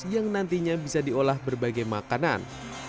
yang nantinya bisa diolah berbagai makanan